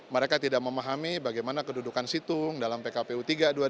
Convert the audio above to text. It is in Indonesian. mereka tidak memahami bagaimana kedudukan situng dalam pkpu tiga dua ribu tujuh belas